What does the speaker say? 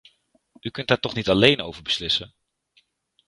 U kunt daar toch niet alleen over beslissen?